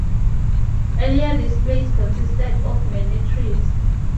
Earlier this place consisted of many trees.